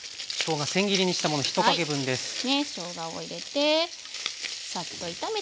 しょうがを入れてサッと炒めて